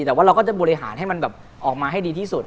แต่ว่าเราก็จะบริหารให้มันแบบออกมาให้ดีที่สุด